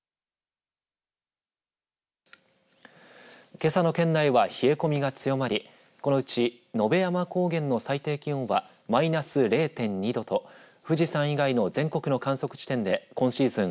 けさの県内は冷え込みが強まりこのうち野辺山高原の最低気温はマイナス０．２度と富士山以外の全国の観測地点で今シーズン